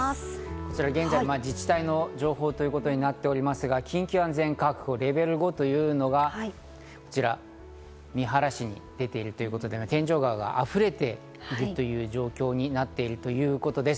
こちら現在、自治体の情報ということになっておりますが、緊急安全確保レベル５というのがこちら、三原市に出ているということで、天井川が溢れているという状況になっているということです。